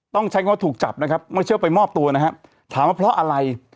ต้องใช้คำว่าถูกจับนะครับไม่เชื่อไปมอบตัวนะครับถามว่าเพราะอะไร